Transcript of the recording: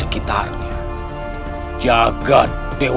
aku harus membantu dia